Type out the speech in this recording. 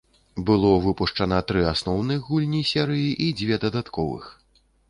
Было выпушчана тры асноўных гульні серыі і дзве дадатковых.